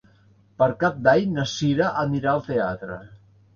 Per Cap d'Any na Sira anirà al teatre.